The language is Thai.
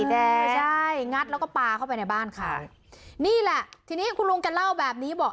ใช่งัดเราก็ป่าเข้าไปในบ้านค่ะนี่ล่ะทีนี้คุณลุงกันเล่าแบบนี้บอก